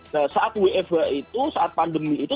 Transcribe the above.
nah saat wfh itu saat pandemi itu